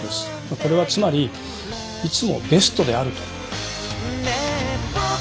これはつまりいつもベストであると。